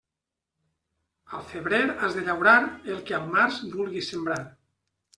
Al febrer has de llaurar, el que al març vulguis sembrar.